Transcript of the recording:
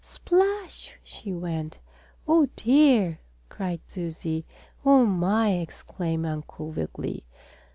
"Splash!" she went. "Oh, dear!" cried Susie. "Oh, my!" exclaimed Uncle Wiggily.